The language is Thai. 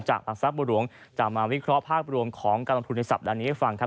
หลักทรัพย์บัวหลวงจะมาวิเคราะห์ภาพรวมของการลงทุนในสัปดาห์นี้ให้ฟังครับ